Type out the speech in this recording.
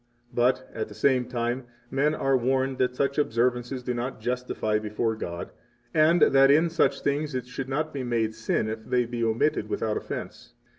But, at the same time, men are warned that such observances do not justify before God, and that in such things it should not be made sin if they be omitted without offense.